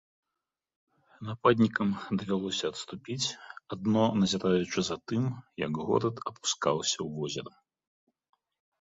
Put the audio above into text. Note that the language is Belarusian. Нападнікам давялося адступіць, адно назіраючы за тым, як горад апускаўся ў возера.